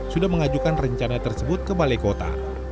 sudah mengajukan rencana tersebut ke balai kota